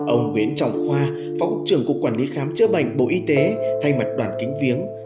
ông nguyễn trọng khoa phó trưởng cục quản lý khám chữa bệnh bộ y tế thay mặt đoàn kính viếng